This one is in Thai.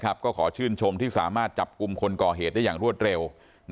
ก็ขอชื่นชมที่สามารถจับกลุ่มคนก่อเหตุได้อย่างรวดเร็ว